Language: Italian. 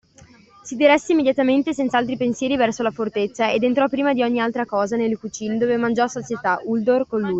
Si diresse immediatamente, senza altri pensieri, verso la fortezza, ed entrò prima di ogni altra cosa nelle cucine, dove mangiò a sazietà, Uldor con lui.